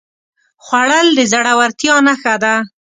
خوړل د زړورتیا نښه ده